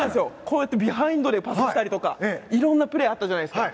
ビハインドでパスしたりいろんなプレーがあったじゃないですか。